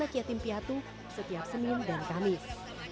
yang dihidangkan adalah anak yatim piatu setiap senin dan kamis